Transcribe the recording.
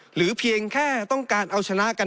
เพียงแค่ต้องการเอาชนะกัน